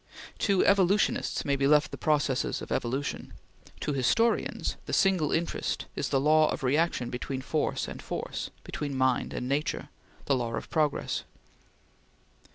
To evolutionists may be left the processes of evolution; to historians the single interest is the law of reaction between force and force between mind and nature the law of progress.